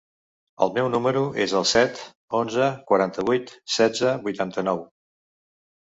El meu número es el set, onze, quaranta-vuit, setze, vuitanta-nou.